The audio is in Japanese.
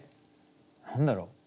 何だろう？